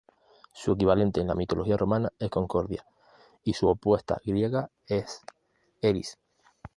Su equivalente en la mitología romana es Concordia, y su opuesta griega es Eris.